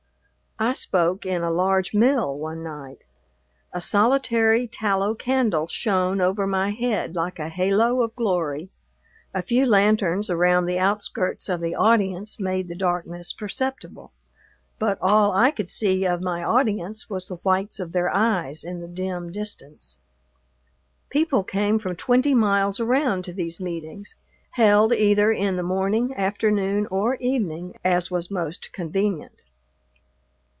I spoke in a large mill one night. A solitary tallow candle shone over my head like a halo of glory; a few lanterns around the outskirts of the audience made the darkness perceptible; but all I could see of my audience was the whites of their eyes in the dim distance. People came from twenty miles around to these meetings, held either in the morning, afternoon, or evening, as was most convenient.